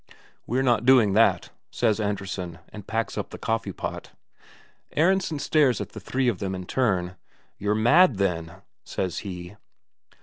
"We're not doing that," says Andresen, and packs up the coffee pot. Aronsen stares at the three of them in turn. "You're mad, then," says he.